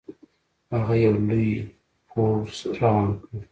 هغه یو لوی پوځ روان کړ.